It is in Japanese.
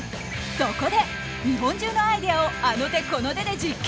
そこで日本中のアイデアをあの手この手で実験！